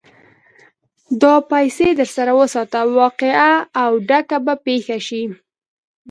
دا پيسې در سره وساته؛ واقعه او ډکه به پېښه شي.